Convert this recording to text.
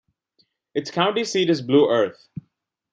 Its county seat is Blue Earth.